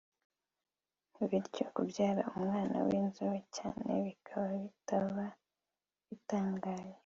bityo kubyara umwana w’inzobe cyane bikaba bitaba bitangaje